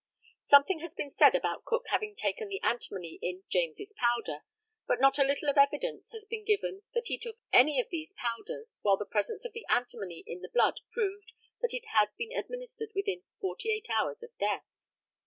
Something has been said about Cook having taken the antimony in "James's powder," but not a tittle of evidence has been given that he ever took any of these powders, while the presence of the antimony in the blood proved that it had been administered within, forty eight hours of death.